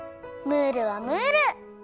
ムールはムール！